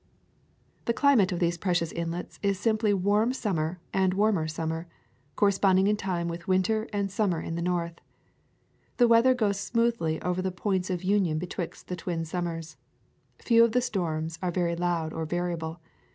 The climate of these precious' islets is sim ply warm summer and warmer summer, corre sponding in time with winter and summer in the North. The weather goes smoothly over the points of union betwixt the twin summers. Few of the storms are very loud or variable.